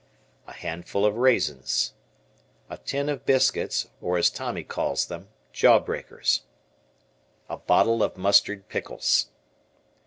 A handful of raisins. A tin of biscuits, or as Tommy calls them "Jaw breakers." A bottle of mustard pickles.